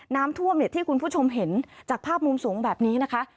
น้ำท่วมที่คุณผู้ชมเห็นจากภาพมุมสูงแบบนี้นะคะ